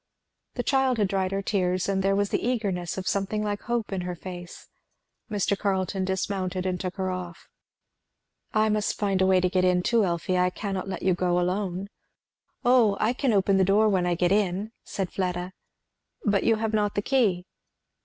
The child had dried her tears, and there was the eagerness of something like hope in her face. Mr. Carleton dismounted and took her off. "I must find a way to get in too, Elfie, I cannot let you go alone." "O I can open the door when I get in," said Fleda. "But you have not the key."